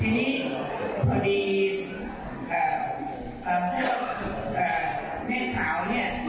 ทีนี้พอดีเอ่อเอ่อพวกเอ่อแม่ขาวเนี่ย